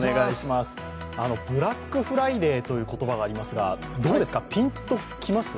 ブラックフライデーという言葉がありますが、どうですか、ピンと来ます？